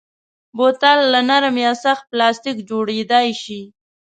بوتل له نرم یا سخت پلاستیک جوړېدای شي.